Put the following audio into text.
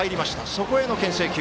そこへの、けん制球。